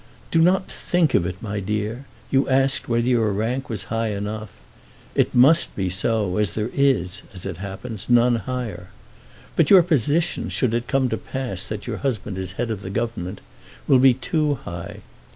"Do not think of it, my dear. You asked whether your rank was high enough. It must be so, as there is, as it happens, none higher. But your position, should it come to pass that your husband is the head of the Government, will be too high.